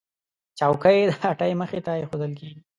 چوکۍ د هټۍ مخې ته ایښودل کېږي.